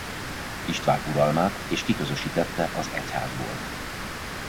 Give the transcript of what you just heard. István uralmát és kiközösítette az egyházból.